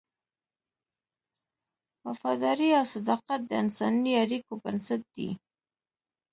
وفاداري او صداقت د انساني اړیکو بنسټ دی.